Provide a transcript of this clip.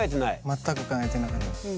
全く考えてなかったです。